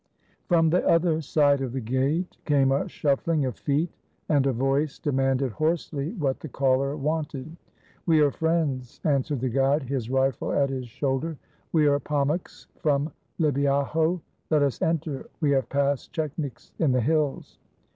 From the other side of the gate came a shuffling of feet, and a voice demanded hoarsely what the caller wanted. "We are friends," answered the guide, his rifle at his shoulder. " We are Pomaks from Libyaho. Let us enter. We have passed chetniks in the hills."